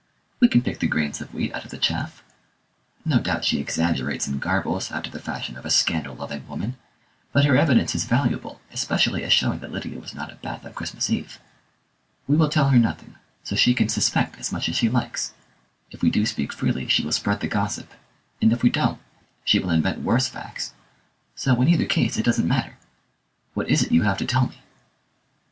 "We can pick the grains of wheat out of the chaff. No doubt she exaggerates and garbles, after the fashion of a scandal loving woman, but her evidence is valuable, especially as showing that Lydia was not at Bath on Christmas Eve. We will tell her nothing, so she can suspect as much as she likes; if we do speak freely she will spread the gossip, and if we don't, she will invent worse facts; so in either case it doesn't matter. What is it you have to tell me?"